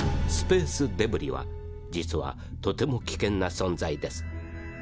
スペースデブリは実はとても危険な存在です。